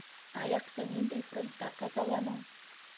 — Аяҡты ниндәй фронтта ҡазаланың?